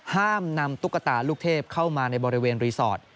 ห้ามนำตุ๊กตาลูกเทพเข้ามาในบริเวณรีสอร์ท